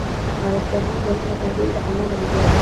غلط فهمۍ د نه مطالعې له امله دي.